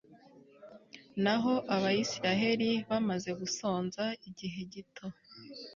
naho abayisraheli bamaze gusonza igihe gito